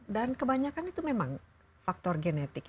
dan kebanyakan itu memang faktor genetik